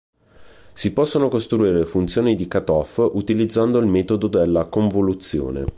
Si possono costruire funzioni di cutoff utilizzando il metodo della convoluzione.